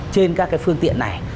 trên các phương tiện này